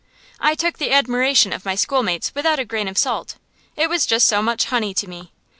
I took the admiration of my schoolmates without a grain of salt; it was just so much honey to me.